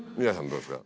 どうですか？